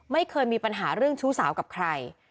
ไม่เคยมีปัญหาเรื่องชู้สาวกับใคร